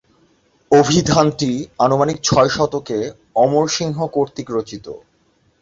অভিধানটি আনুমানিক ছয় শতকে অমর সিংহ কর্তৃক রচিত।